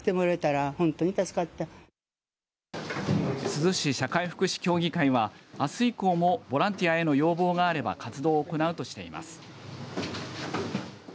珠洲市社会福祉協議会はあす以降もボランティアへの要望があれば活動を行うとしています。